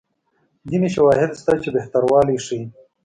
ځیني شواهد شته چې بهتروالی ښيي.